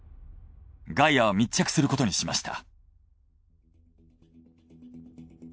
「ガイア」は密着することにしました。